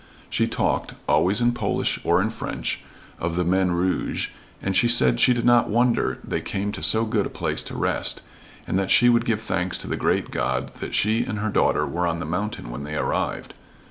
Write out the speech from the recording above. She talked, always in Polish or in French, of the men "rouge," and said she did not wonder they came to so good a place to rest, and that she would give thanks to the great God that she and her daughter were on the mountain when they arrived.